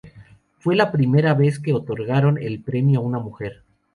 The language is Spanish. Fue la primera vez que otorgaron el premio a una mujer.